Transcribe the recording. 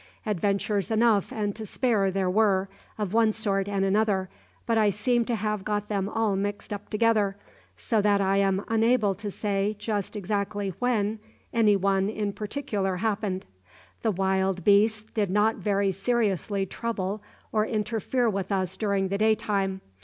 Adventures enough and to spare there were, of one sort and another, but I seem to have got them all mixed up together, so that I am unable to say just exactly when any one in particular happened. The wild beasts did not very seriously trouble or interfere with us during the day time.